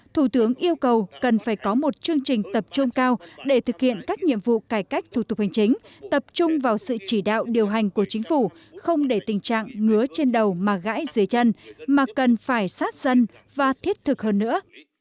thủ tướng yêu cầu cần phải có một chương trình tập trung cao để thực hiện các nhiệm vụ cải cách thủ tục hành chính tập trung vào sự chỉ đạo điều hành của chính phủ không để tình trạng ngứa trên đầu mà gãy dưới chân mà cần phải sát dân và thiết thực hơn nữa